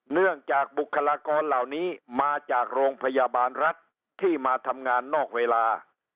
เนื่องจากบุคลากรเหล่านี้มาจากโรงพยาบาลรัฐที่มาทำงานนอกเวลา